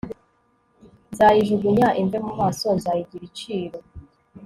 nzayijugunya imve mu maso nzayigira iciro